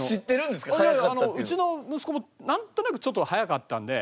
うちの息子もなんとなくちょっと速かったんで。